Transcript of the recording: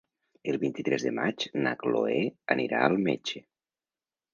El vint-i-tres de maig na Chloé anirà al metge.